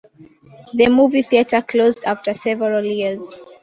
The movie theatre closed after several years.